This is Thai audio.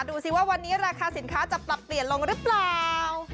ดูสิว่าวันนี้ราคาสินค้าจะปรับเปลี่ยนลงหรือเปล่า